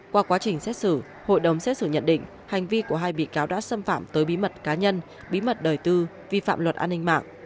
qua quá trình xét xử hội đồng xét xử nhận định hành vi của hai bị cáo đã xâm phạm tới bí mật cá nhân bí mật đời tư vi phạm luật an ninh mạng